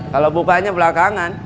kalau bukanya belakangan